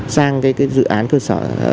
sang cái dự án cơ sở